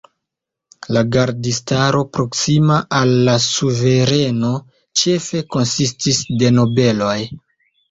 La gardistaro proksima al la suvereno ĉefe konsistis de nobeloj.